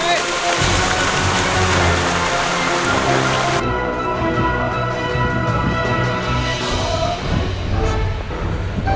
แล้วโปรดคลิปนะครับแล้วชุดออกมา